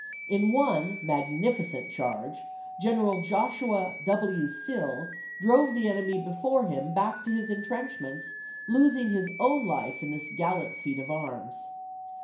In one magnificent charge. General Joshua W. Sill drove the enemy before him back to his intrench ments, losing his own life in this gallant feat of arms.